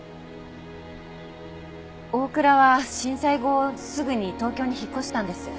大倉は震災後すぐに東京に引っ越したんです。